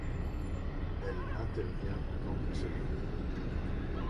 Elle intervient dans plusieurs films.